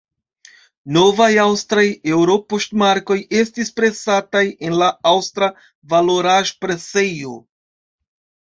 Novaj aŭstraj eŭropoŝtmarkoj estis presataj en la Aŭstra Valoraĵpresejo.